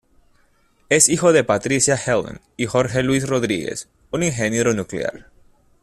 Es hijo de Patricia Helen y Jorge Luis Rodríguez, un ingeniero nuclear.